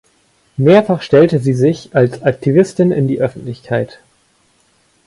Mehrfach stellte sie sich als Aktivistin in die Öffentlichkeit.